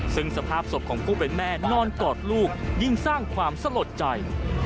ซึ่งสภาพศพของผู้เป็นแม่นอนกอดลูกยิ่งสร้างความสลดใจ